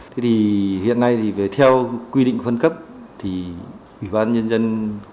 thế thì hiện nay thì theo quy định phân cấp thì ủy ban nhân dân của chính phủ